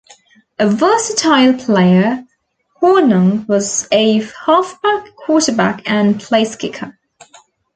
A versatile player, Hornung was a halfback, quarterback, and placekicker.